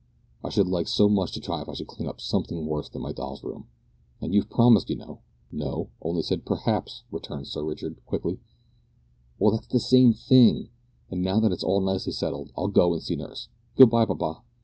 "I should like so much to try if I could clean up something worse than my doll's room. And you've promised, you know." "No only said `perhaps,'" returned Sir Richard quickly. "Well, that's the same thing; and now that it's all nicely settled, I'll go and see nurse. Good bye, papa."